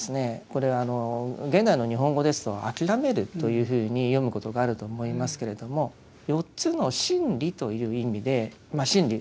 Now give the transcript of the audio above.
これ現代の日本語ですと「諦める」というふうに読むことがあると思いますけれども四つの真理という意味で真理